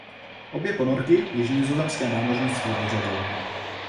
Obě ponorky již nizozemské námořnictvo vyřadilo.